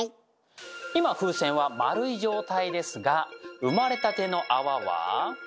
今風船は丸い状態ですが生まれたての泡は。